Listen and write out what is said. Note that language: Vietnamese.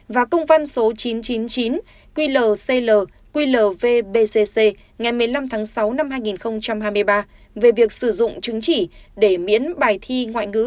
và công văn số chín trăm chín mươi chín qlclqbc ngày một mươi năm tháng sáu năm hai nghìn hai mươi ba về việc sử dụng chứng chỉ để miễn bài thi ngoại ngữ